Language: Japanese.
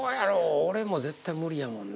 俺もう絶対無理やもんな。